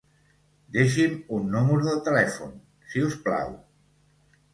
Deixi'm un número de telèfon, si us plau.